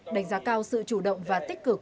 đánh giá cao sự chủ động và tích cực